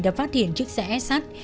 đã phát hiện chiếc xe sh